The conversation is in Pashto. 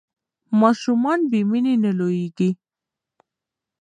ماشومان بې مینې نه لویېږي.